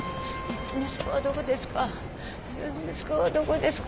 息子はどこですか？